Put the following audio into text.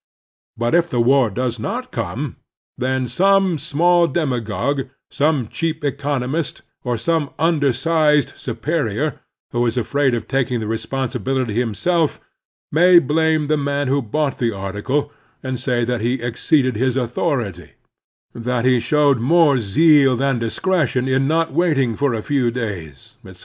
But if the war does not come, then some small demagogue, some cheap economist, or some imdersized superior who is afraid of taking the responsibility himself, may blame the man who bought the article and say that he exceeded his authority; that he showed more zeal than discretion in not waiting for a few days, etc.